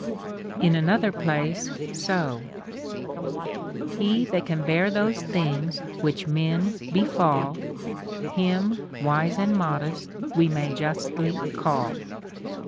In another place so :— He that can bear those things which men befall, Him wise and modest we may justly call.